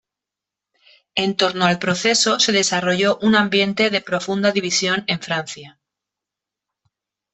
En torno al proceso se desarrolló un ambiente de profunda división en Francia.